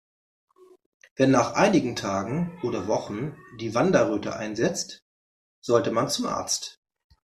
Wenn nach einigen Tagen oder Wochen die Wanderröte einsetzt, sollte man zum Arzt.